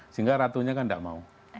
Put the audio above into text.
sehingga ratunya kan tidak mau